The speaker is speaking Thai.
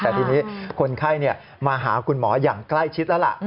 แต่ทีนี้คนไข้มาหาคุณหมออย่างใกล้ชิดแล้วล่ะ